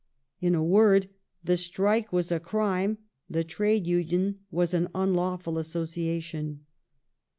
In a word, "the strike •was a crime, the trade union was an unlawful association".